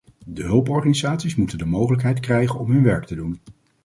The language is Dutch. De hulporganisaties moeten de mogelijkheid krijgen om hun werk te doen.